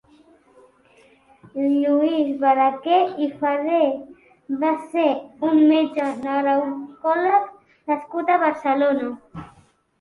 Lluís Barraquer i Ferré va ser un metge neuròleg nascut a Barcelona.